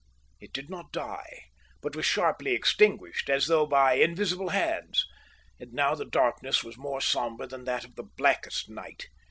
It did not die, but was sharply extinguished, as though by invisible hands. And now the darkness was more sombre than that of the blackest night.